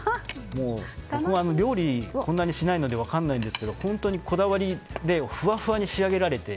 僕は料理そんなにしないので分からないんですけど本当にこだわりでふわふわに仕上げられて。